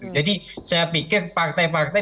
jadi saya pikir partai partai